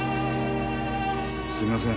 すみません。